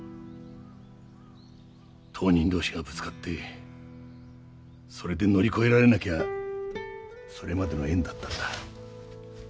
当人同士がぶつかってそれで乗り越えられなきゃそれまでの縁だったんだ。